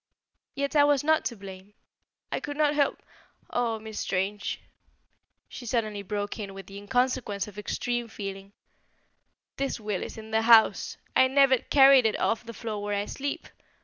Yet, I was not to blame. I could not help Oh, Miss Strange," she suddenly broke in with the inconsequence of extreme feeling, "the will is in the house! I never carried it off the floor where I sleep.